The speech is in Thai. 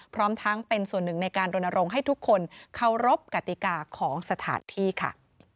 พร้อมทั้งเป็นส่วนหนึ่งในการรณรงค์ให้ทุกคนเคารพกติกาของสถานที่ค่ะ